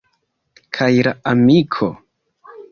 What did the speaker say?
Kaj la amiko!